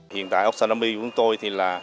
hiện tại oxanami của chúng tôi